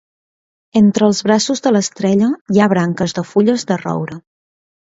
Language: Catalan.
Entre els braços de l'estrella hi ha branques de fulles de roure.